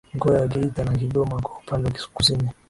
Mikoa ya Geita na Kigoma kwa upande wa Kusini